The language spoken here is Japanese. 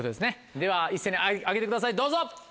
では一斉に上げてくださいどうぞ！